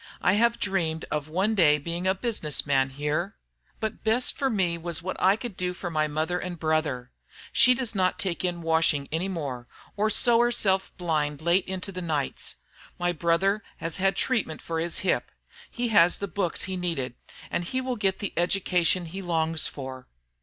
I have dreamed of one day being a business man here. But best for me was what I could do for my mother and brother. She does not take in washing any more or sew herself blind late into the nights. My brother has had treatment for his hip; he has the books he needed, and he will get the education he longs for."